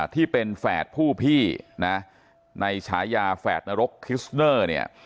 ที่เป็นแฝดผู้พี่นะในฉายาแฝดนรกคิสเนอร์เนี่ย